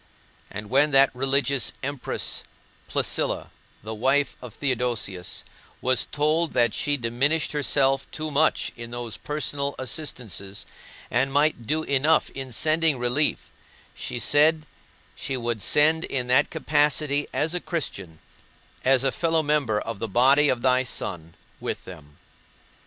And when that religious Empress Placilla, the wife of Theodosius, was told that she diminished herself too much in those personal assistances and might do enough in sending relief, she said she would send in that capacity as a Christian, as a fellow member of the body of thy Son, with them.